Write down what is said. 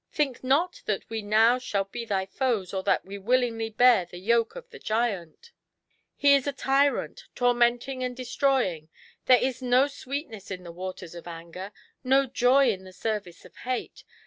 Think not that we now shall be thy foes, or that we willingly bear the yoke of the giant He is a tyi ant, tonnenting and de stroying: there is no sweetness in the waters of Anger, no joy in the service of Hate